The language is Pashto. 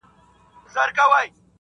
o د انسان مخ د خداى له نوره دئ.